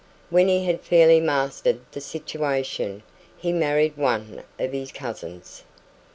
When he had fairly mastered the situation, he married one of his cousins.